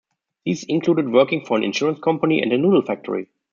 These included working for an insurance company and a noodle factory.